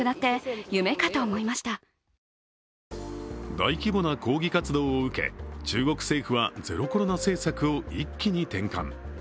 大規模な抗議活動を受け中国政府はゼロコロナ政策を一気に転換。